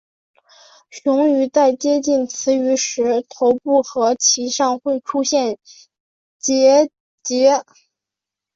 雄鱼在接近雌鱼时头部和鳍上会出现结节。